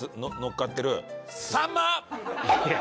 いや。